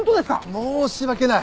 申し訳ない。